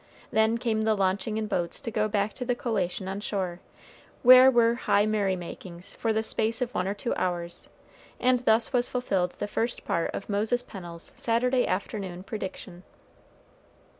Then came the launching in boats to go back to the collation on shore, where were high merry makings for the space of one or two hours: and thus was fulfilled the first part of Moses Pennel's Saturday afternoon prediction.